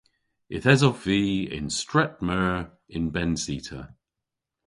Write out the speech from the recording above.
Yth esov vy y'n stret meur y'n benncita.